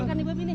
bukan ini babi